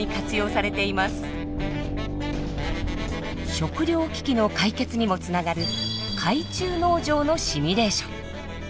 食料危機の解決にもつながる海中農場のシミュレーション。